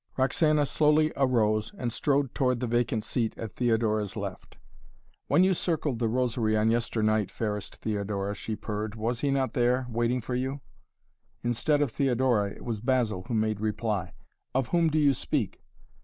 Roxana slowly arose and strode toward the vacant seat at Theodora's left. "When you circled the Rosary on yesternight, fairest Theodora," she purred, "was he not there waiting for you?" Instead of Theodora, it was Basil who made reply. "Of whom do you speak?"